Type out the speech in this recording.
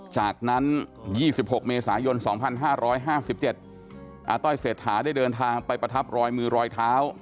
จากนั้น๒๖เมษายน๒๕๕๗อาต้อยเศรษฐาได้เดินทางไปประทับรอยมือรอยเท้า